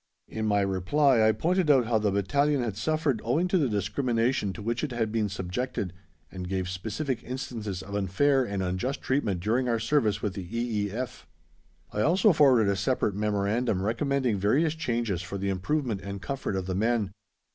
In my reply I pointed out how the battalion had suffered owing to the discrimination to which it had been subjected, and gave specific instances of unfair and unjust treatment during our service with the E.E.F. I also forwarded a separate memorandum recommending various changes for the improvement and comfort of the men.